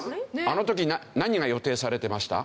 あの時何が予定されてました？